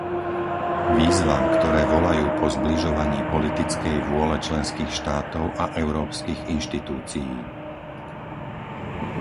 Výzvam, ktoré volajú po zbližovaní politickej vôle členských štátov a európskych inštitúcií.